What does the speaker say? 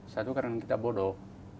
satu karena kita bodoh